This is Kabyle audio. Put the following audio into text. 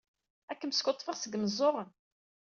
Ad kem-skuḍḍfeɣ seg yimeẓẓuɣen!